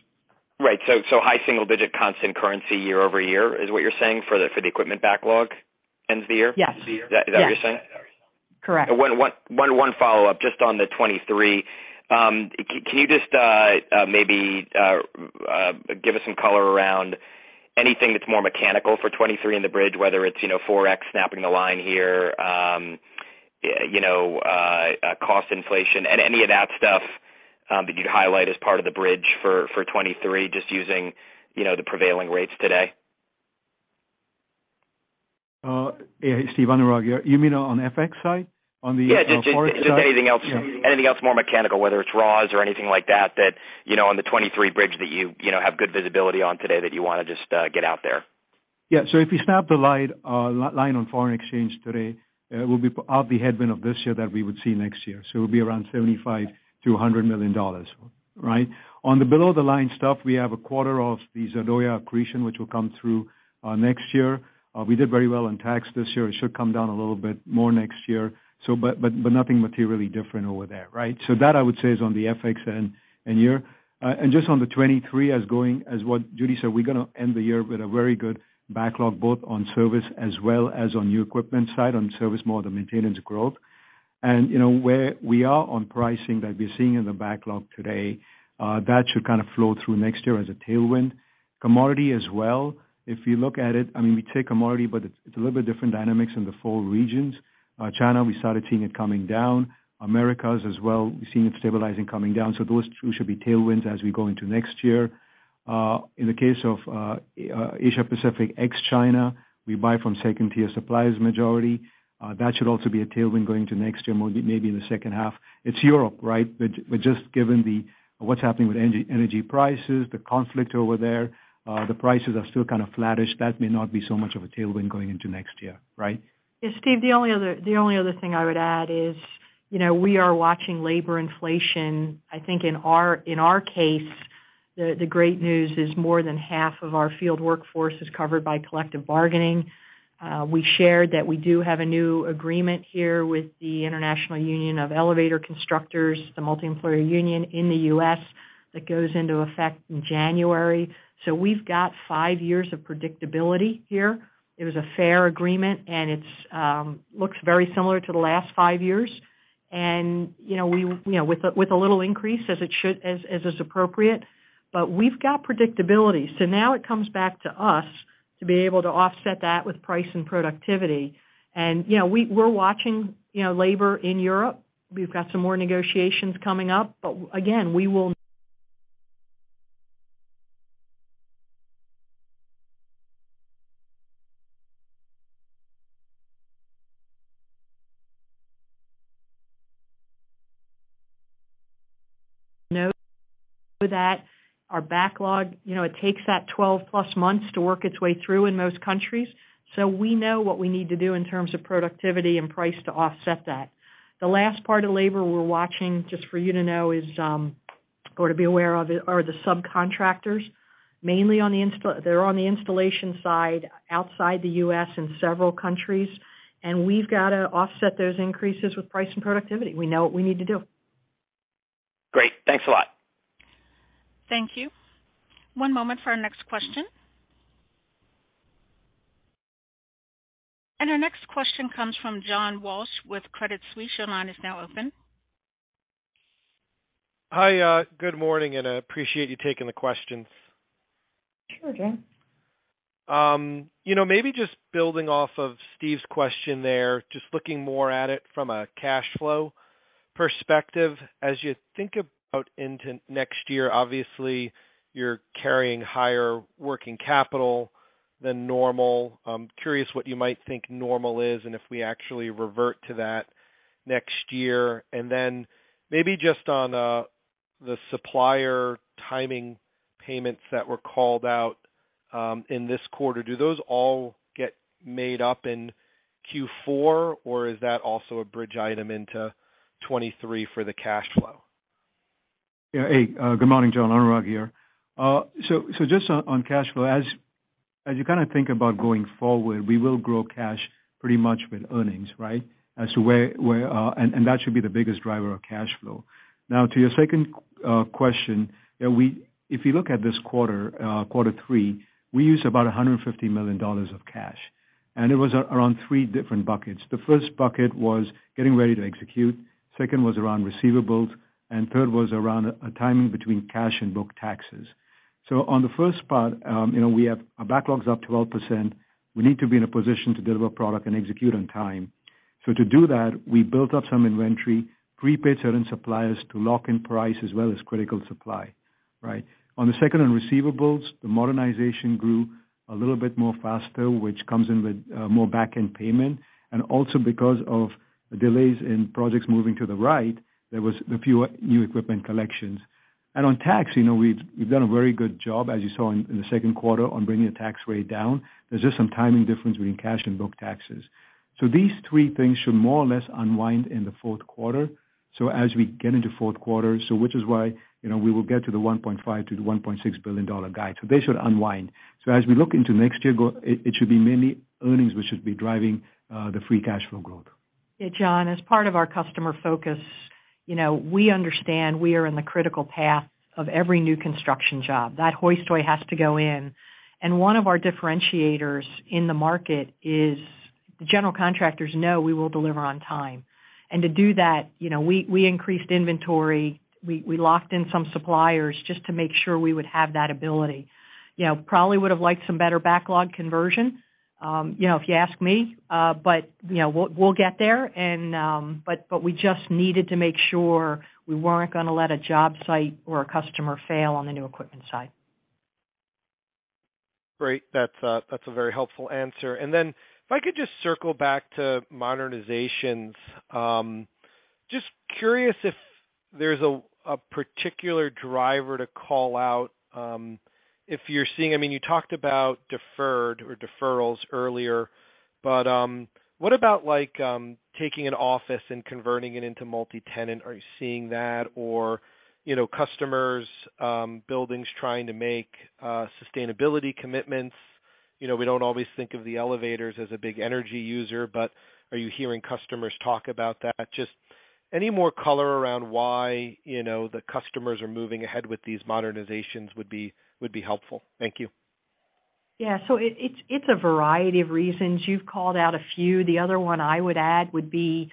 Right. High single-digit constant currency year-over-year is what you're saying for the equipment backlog at the end of the year? Yes. Is that what you're saying? Correct. One follow-up just on the 2023. Can you just maybe give us some color around anything that's more mechanical for 2023 in the bridge, whether it's, you know, Forex snapping the line here, you know, cost inflation and any of that stuff, that you'd highlight as part of the bridge for 2023 just using, you know, the prevailing rates today? Steve, Anurag here. You mean on FX side? On the Forex side? Yeah, just anything else more mechanical, whether it's raws or anything like that you know, on the 23 bridge that you know have good visibility on today that you wanna just get out there. Yeah. If you snap the line on foreign exchange today, it will be a headwind of this year that we would see next year. It'll be around $75 million-$100 million, right? On the below the line stuff, we have a quarter of the Zardoya accretion, which will come through next year. We did very well in tax this year. It should come down a little bit more next year. But nothing materially different over there, right? That I would say is on the FX end and year. Just on the 2023, as what Judy said, we're gonna end the year with a very good backlog, both on service as well as on new equipment side, on service, maintenance growth. You know, where we are on pricing that we're seeing in the backlog today, that should kind of flow through next year as a tailwind. Commodity as well. If you look at it, I mean, we track commodity, but it's a little bit different dynamics in the four regions. China, we started seeing it coming down. Americas as well, we're seeing it stabilizing coming down. Those two should be tailwinds as we go into next year. In the case of Asia Pacific ex-China, we buy from second-tier suppliers majority. That should also be a tailwind going to next year, maybe in the second half. It's Europe, right? But just given the, what's happening with energy prices, the conflict over there, the prices are still kind of flattish. That may not be so much of a tailwind going into next year, right? Yeah, Steve, the only other thing I would add is, you know, we are watching labor inflation. I think in our case, the great news is more than half of our field workforce is covered by collective bargaining. We shared that we do have a new agreement here with the International Union of Elevator Constructors, the multi-employer union in the U.S. that goes into effect in January. We've got five years of predictability here. It was a fair agreement, and it looks very similar to the last five years. You know, we're watching, you know, labor in Europe with a little increase as it should, as is appropriate. We've got predictability. Now it comes back to us to be able to offset that with price and productivity. We've got some more negotiations coming up. We know that our backlog, you know, it takes that 12+ months to work its way through in most countries. We know what we need to do in terms of productivity and price to offset that. The last part of labor we're watching, just for you to know, or to be aware of, are the subcontractors, mainly on the installation side outside the U.S. in several countries, and we've got to offset those increases with price and productivity. We know what we need to do. Great. Thanks a lot. Thank you. One moment for our next question. Our next question comes from John Walsh with Credit Suisse. Your line is now open. Hi, good morning, and I appreciate you taking the questions. Sure, John. You know, maybe just building off of Steve's question there, just looking more at it from a cash flow perspective. As you think about into next year, obviously, you're carrying higher working capital than normal. I'm curious what you might think normal is and if we actually revert to that next year. Then maybe just on the supplier timing payments that were called out in this quarter, do those all get made up in Q4, or is that also a bridge item into 2023 for the cash flow? Yeah. Hey, good morning, John. Anurag here. So just on cash flow, as you kinda think about going forward, we will grow cash pretty much with earnings, right? As to where and that should be the biggest driver of cash flow. Now to your second question, if you look at this quarter three, we used about $150 million of cash, and it was around three different buckets. The first bucket was getting ready to execute, second was around receivables, and third was around a timing between cash and book taxes. So on the first part, you know, we have our backlogs up 12%. We need to be in a position to deliver product and execute on time. To do that, we built up some inventory, prepaid certain suppliers to lock in price as well as critical supply, right? On the second on receivables, the modernization grew a little bit more faster, which comes in with more backend payment, and also because of delays in projects moving to the right, there was a few new equipment collections. On tax, you know, we've done a very good job, as you saw in the second quarter on bringing the tax rate down. There's just some timing difference between cash and book taxes. These three things should more or less unwind in the fourth quarter. As we get into fourth quarter, which is why, you know, we will get to the $1.5 billion-$1.6 billion guide. They should unwind. As we look into next year, it should be mainly earnings which should be driving the free cash flow growth. Yeah, John, as part of our customer focus, you know, we understand we are in the critical path of every new construction job. That hoistway has to go in, and one of our differentiators in the market is general contractors know we will deliver on time. To do that, you know, we increased inventory. We locked in some suppliers just to make sure we would have that ability. You know, probably would have liked some better backlog conversion, you know, if you ask me, but you know, we'll get there, but we just needed to make sure we weren't gonna let a job site or a customer fail on the new equipment side. Great. That's a very helpful answer. Then if I could just circle back to modernizations. Just curious if there's a particular driver to call out, if you're seeing I mean, you talked about deferred or deferrals earlier, but what about like taking an office and converting it into multi-tenant? Are you seeing that? Or, you know, customers' buildings trying to make sustainability commitments? You know, we don't always think of the elevators as a big energy user, but are you hearing customers talk about that? Just any more color around why, you know, the customers are moving ahead with these modernizations would be helpful. Thank you. It's a variety of reasons. You've called out a few. The other one I would add would be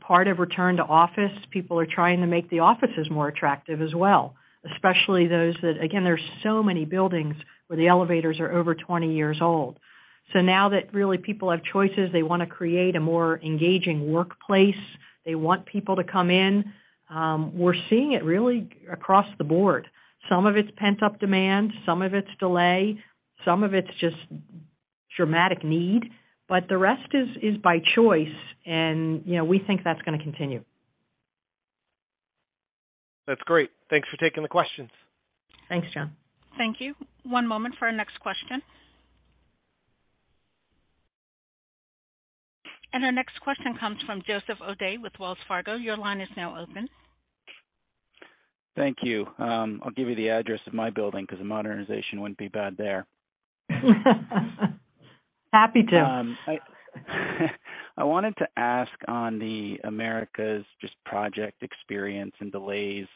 part of return to office. People are trying to make the offices more attractive as well, especially those that. Again, there's so many buildings where the elevators are over 20 years old. Now that really people have choices, they wanna create a more engaging workplace. They want people to come in. We're seeing it really across the board. Some of it's pent-up demand, some of it's delay, some of it's just dramatic need, but the rest is by choice. You know, we think that's gonna continue. That's great. Thanks for taking the questions. Thanks, John. Thank you. One moment for our next question. Our next question comes from Joseph O'Dea with Wells Fargo. Your line is now open. Thank you. I'll give you the address of my building 'cause the modernization wouldn't be bad there. Happy to. I wanted to ask on the Americas, just project experience and delays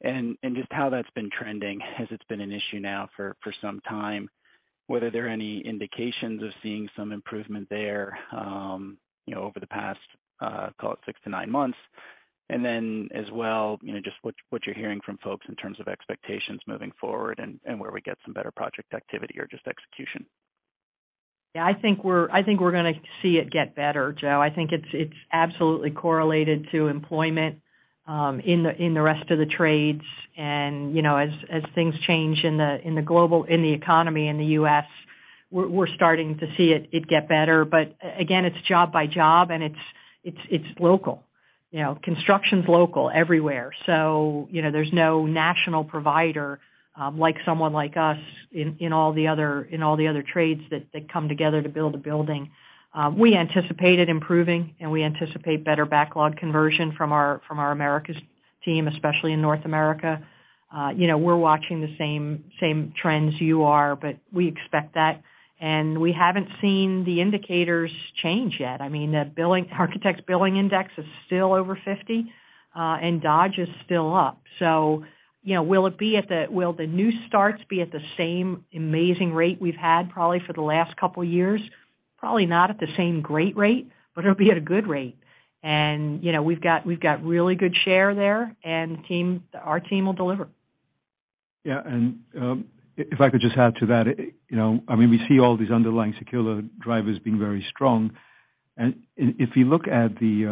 and just how that's been trending as it's been an issue now for some time, whether there are any indications of seeing some improvement there, you know, over the past, call it six to nine months. As well, you know, just what you're hearing from folks in terms of expectations moving forward and where we get some better project activity or just execution. Yeah. I think we're gonna see it get better, Joe. I think it's absolutely correlated to employment in the rest of the trades and, you know, as things change in the global economy in the US, we're starting to see it get better. But again, it's job by job, and it's local. You know, construction's local everywhere, so, you know, there's no national provider like someone like us in all the other trades that come together to build a building. We anticipated improving, and we anticipate better backlog conversion from our Americas team, especially in North America. You know, we're watching the same trends you are, but we expect that. We haven't seen the indicators change yet. I mean, the architect's billing index is still over 50, and Dodge is still up. You know, will the new starts be at the same amazing rate we've had probably for the last couple years? Probably not at the same great rate, but it'll be at a good rate. You know, we've got really good share there, and our team will deliver. Yeah. If I could just add to that. You know, I mean, we see all these underlying secular drivers being very strong. If you look at the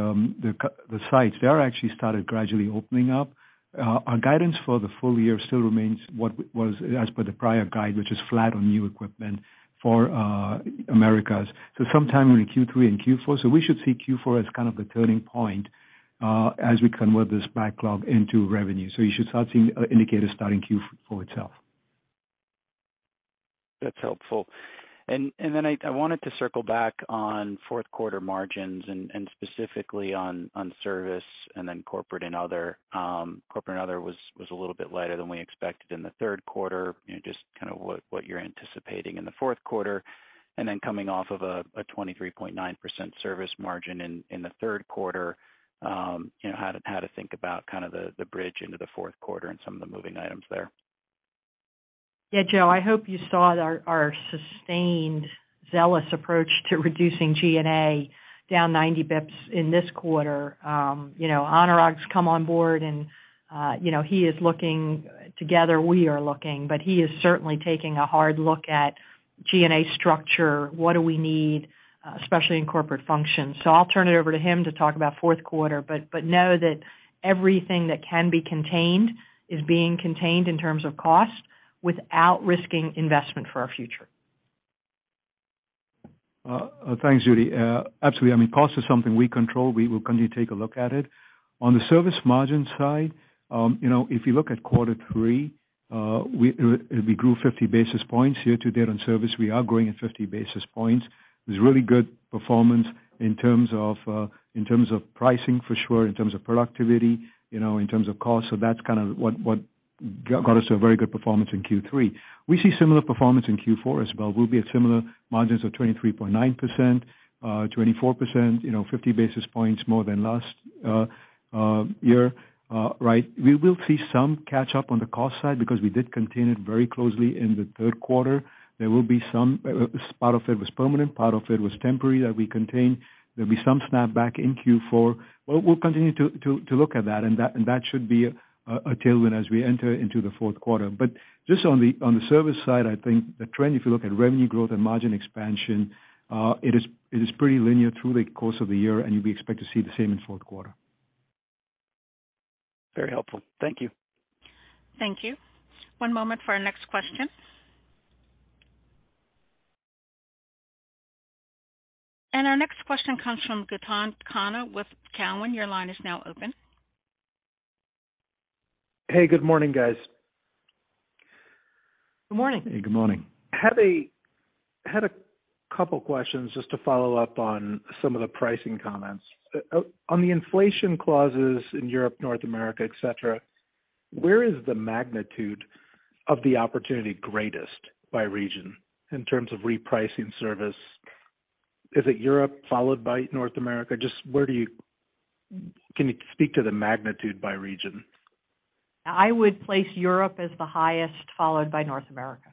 sites, they are actually started gradually opening up. Our guidance for the full year still remains what was, as per the prior guide, which is flat on new equipment for Americas. Sometime in Q3 and Q4. We should see Q4 as kind of the turning point, as we convert this backlog into revenue. You should start seeing indicators starting Q4 itself. That's helpful. Then I wanted to circle back on fourth quarter margins and specifically on service and then corporate and other. Corporate and other was a little bit lighter than we expected in the third quarter. You know, just kind of what you're anticipating in the fourth quarter. Then coming off of a 23.9% service margin in the third quarter, you know, how to think about kind of the bridge into the fourth quarter and some of the moving items there? Yeah. Joe, I hope you saw our sustained zealous approach to reducing G&A down 90 basis points in this quarter. You know, Anurag's come on board and you know, he is looking. Together, we are looking. He is certainly taking a hard look at G&A structure. What do we need, especially in corporate functions. I'll turn it over to him to talk about fourth quarter. Know that everything that can be contained is being contained in terms of cost without risking investment for our future. Thanks, Judy. Absolutely. I mean, cost is something we control. We will continue to take a look at it. On the service margin side, you know, if you look at quarter three, we grew 50 basis points. Year to date on service, we are growing at 50 basis points. There's really good performance in terms of pricing for sure, in terms of productivity, you know, in terms of cost. That's kind of what got us to a very good performance in Q3. We see similar performance in Q4 as well. We'll be at similar margins of 23.9%, 24%, you know, 50 basis points more than last year. Right. We will see some catch up on the cost side because we did contain it very closely in the third quarter. There will be some part of it was permanent, part of it was temporary that we contained. There'll be some snapback in Q4. We'll continue to look at that, and that should be a tailwind as we enter into the fourth quarter. Just on the service side, I think the trend, if you look at revenue growth and margin expansion, it is pretty linear through the course of the year, and we expect to see the same in fourth quarter. Very helpful. Thank you. Thank you. One moment for our next question. Our next question comes from Gautam Khanna with Cowen. Your line is now open. Hey, good morning, guys. Good morning. Hey, good morning. Had a couple questions just to follow up on some of the pricing comments. On the inflation clauses in Europe, North America, et cetera, where is the magnitude of the opportunity greatest by region in terms of repricing service? Is it Europe followed by North America? Can you speak to the magnitude by region? I would place Europe as the highest, followed by North America.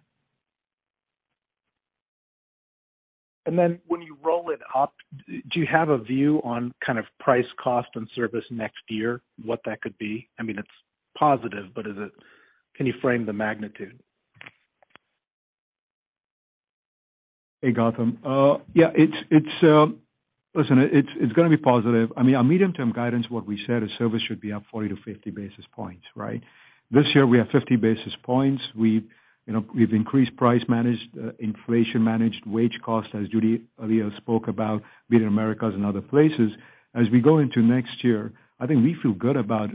When you roll it up, do you have a view on kind of price, cost, and service next year, what that could be? I mean, it's positive, but is it? Can you frame the magnitude? Hey, Gautam. Listen, it's gonna be positive. I mean, our medium-term guidance, what we said is service should be up 40-50 basis points, right? This year, we have 50 basis points. We've, you know, increased price, managed inflation, managed wage costs, as Judy earlier spoke about Latin America and other places. As we go into next year, I think we feel good about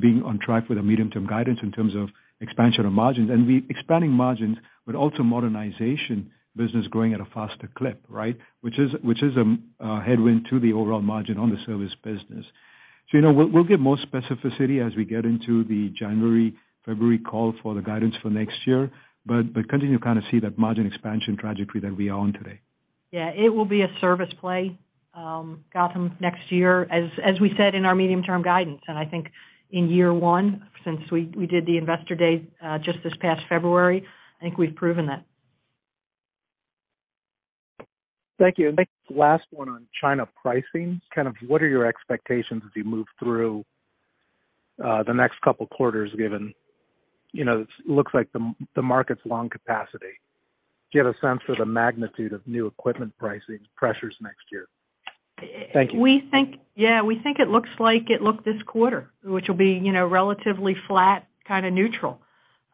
being on track with our medium-term guidance in terms of expansion of margins, expanding margins but also modernization business growing at a faster clip, right? Which is a headwind to the overall margin on the service business. You know, we'll give more specificity as we get into the January-February call for the guidance for next year, but continue to kind of see that margin expansion trajectory that we are on today. Yeah. It will be a service play, Gautam, next year, as we said in our medium-term guidance. I think in year one, since we did the investor day, just this past February, I think we've proven that. Thank you. Last one on China pricing. Kind of what are your expectations as you move through, the next couple quarters given, you know, it looks like the market's long capacity? Do you have a sense for the magnitude of new equipment pricing pressures next year? Thank you. Yeah, we think it looks like it looked this quarter, which will be, you know, relatively flat, kinda neutral.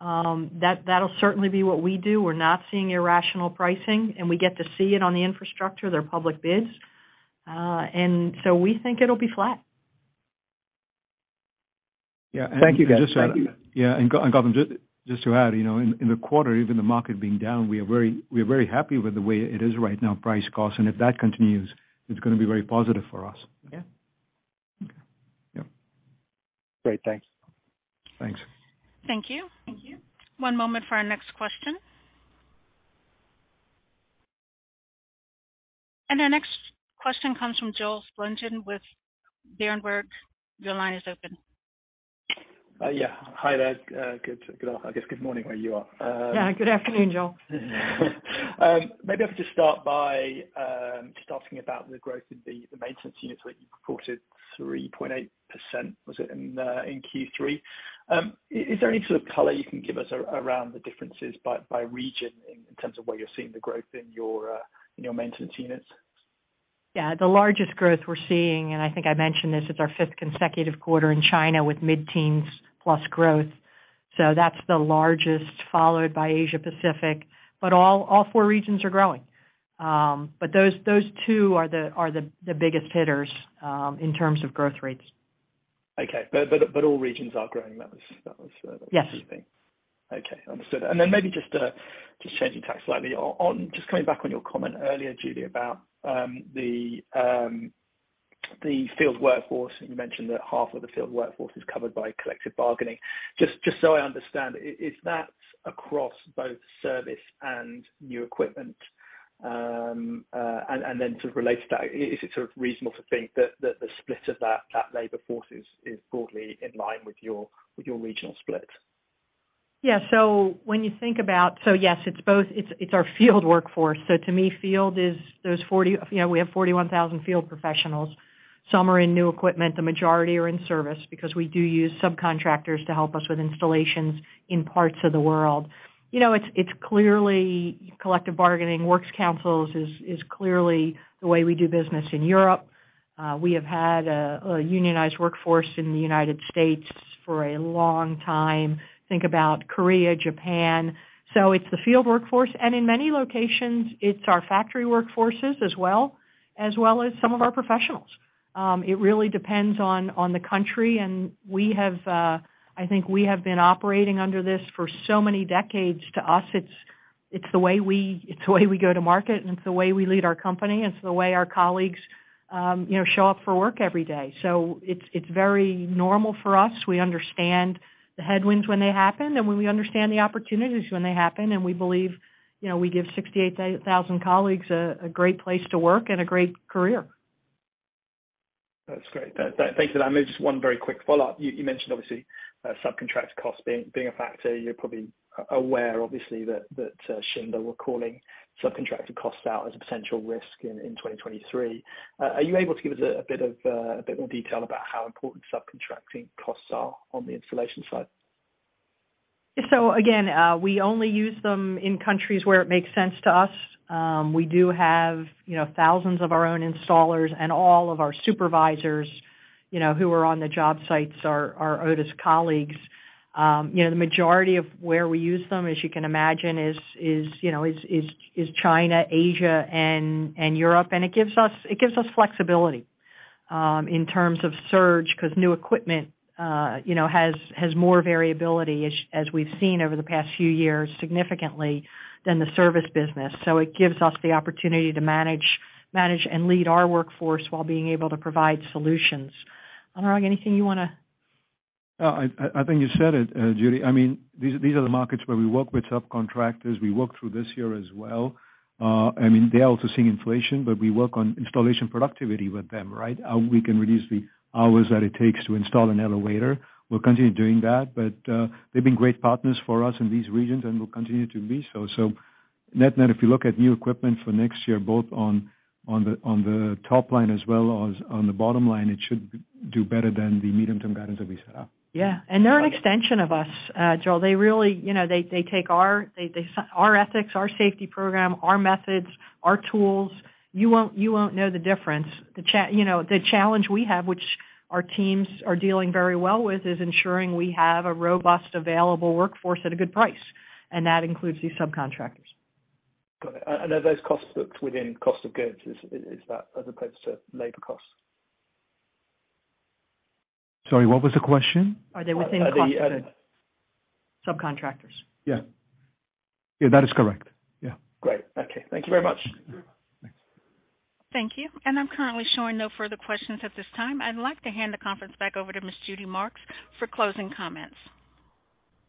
That'll certainly be what we do. We're not seeing irrational pricing, and we get to see it on the infrastructure, their public bids. We think it'll be flat. Yeah. Thank you, guys. Thank you. Yeah. Gautam, just to add, you know, in the quarter, even the market being down, we are very happy with the way it is right now, price cost. If that continues, it's gonna be very positive for us. Yeah. Okay. Yeah. Great. Thanks. Thanks. Thank you. Thank you. One moment for our next question. Our next question comes from Joel Spungin with Berenberg. Your line is open. Yeah. Hi there. Good to get on. I guess good morning where you are. Yeah. Good afternoon, Joel. Maybe if we just start by talking about the growth in the maintenance units that you reported 3.8%, was it, in Q3? Is there any sort of color you can give us around the differences by region in terms of where you're seeing the growth in your maintenance units? Yeah. The largest growth we're seeing, and I think I mentioned this, it's our fifth consecutive quarter in China with mid-teens plus growth. That's the largest, followed by Asia Pacific, but all four regions are growing. Those two are the biggest hitters in terms of growth rates. Okay. All regions are growing. That was. Yes. Okay. Understood. Maybe just changing tacks slightly. Just coming back on your comment earlier, Judy, about the field workforce, and you mentioned that half of the field workforce is covered by collective bargaining. Just so I understand, is that across both service and new equipment? To relate to that, is it sort of reasonable to think that the split of that labor force is broadly in line with your regional split? Yeah. Yes, it's both. It's our field workforce. To me, field is. You know, we have 41,000 field professionals. Some are in new equipment, the majority are in service because we do use subcontractors to help us with installations in parts of the world. You know, it's clearly collective bargaining. Works councils is clearly the way we do business in Europe. We have had a unionized workforce in the United States for a long time. Think about Korea, Japan. It's the field workforce, and in many locations, it's our factory workforces as well as some of our professionals. It really depends on the country, and I think we have been operating under this for so many decades. To us, it's the way we go to market, and it's the way we lead our company, and it's the way our colleagues, you know, show up for work every day. It's very normal for us. We understand the headwinds when they happen, and when we understand the opportunities when they happen, and we believe, you know, we give 68,000 colleagues a great place to work and a great career. That's great. Thank you. Maybe just one very quick follow-up. You mentioned obviously subcontractor costs being a factor. You're probably aware obviously that Schindler were calling subcontractor costs out as a potential risk in 2023. Are you able to give us a bit more detail about how important subcontracting costs are on the installation side? Again, we only use them in countries where it makes sense to us. We do have, you know, thousands of our own installers and all of our supervisors, you know, who are on the job sites are Otis colleagues. You know, the majority of where we use them, as you can imagine is, you know, China, Asia and Europe. It gives us flexibility in terms of surge 'cause new equipment, you know, has more variability as we've seen over the past few years significantly than the service business. It gives us the opportunity to manage and lead our workforce while being able to provide solutions. Anurag, anything you wanna... I think you said it, Judy. I mean, these are the markets where we work with subcontractors. We work through this year as well. I mean, they're also seeing inflation, but we work on installation productivity with them, right? We can reduce the hours that it takes to install an elevator. We'll continue doing that. They've been great partners for us in these regions and will continue to be so. Net-net, if you look at new equipment for next year, both on the top line as well as on the bottom line, it should do better than the medium-term guidance that we set up. Yeah. They're an extension of us, Joel. They really, you know, take our ethics, our safety program, our methods, our tools. You won't know the difference. You know, the challenge we have, which our teams are dealing very well with, is ensuring we have a robust, available workforce at a good price, and that includes these subcontractors. Got it. And are those costs booked within cost of goods? Is that as opposed to labor costs? Sorry, what was the question? Are they within cost of? Uh, the, uh- Subcontractors. Yeah. Yeah, that is correct. Yeah. Great. Okay. Thank you very much. Thanks. Thank you. I'm currently showing no further questions at this time. I'd like to hand the conference back over to Ms. Judy Marks for closing comments.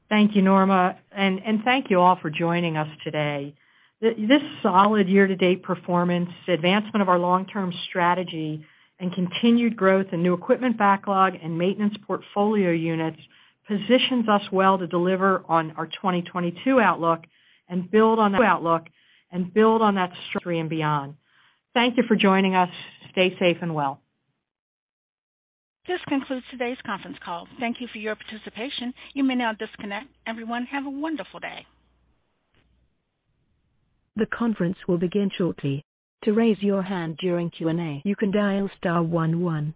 Thank you, Norma. Thank you all for joining us today. This solid year-to-date performance, advancement of our long-term strategy and continued growth and new equipment backlog and maintenance portfolio units positions us well to deliver on our 2022 outlook and build on our outlook and that strategy and beyond. Thank you for joining us. Stay safe and well. This concludes today's conference call. Thank you for your participation. You may now disconnect. Everyone, have a wonderful day. The conference will begin shortly. To raise your hand during Q&A, you can dial star one one.